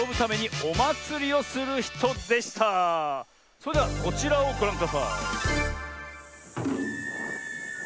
それではこちらをごらんください。